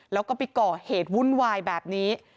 แล้วก็ไปก่อเหตุวุ่นวายแบบนี้